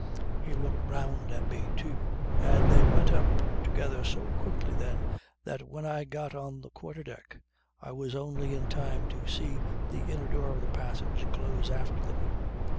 He looked round at me too, and they went up together so quickly then that when I got on the quarter deck I was only in time to see the inner door of the passage close after them.